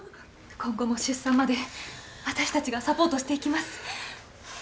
今後も出産まで私たちがサポートしていきます